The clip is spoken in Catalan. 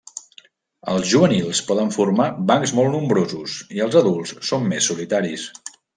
Els juvenils poden formar bancs molt nombrosos i els adults són més solitaris.